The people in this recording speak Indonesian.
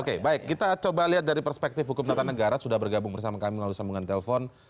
oke baik kita coba lihat dari perspektif hukum natal negara sudah bergabung bersama kami lalu sambungkan terakhir